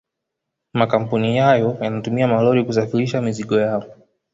Makampuni hayo yanatumia malori kusafirisha mizigo yao